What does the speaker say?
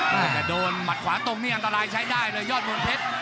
แต่โดนหมัดขวาตรงนี่อันตรายใช้ได้เลยยอดมนเพชร